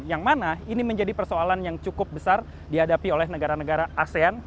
yang mana ini menjadi persoalan yang cukup besar dihadapi oleh negara negara asean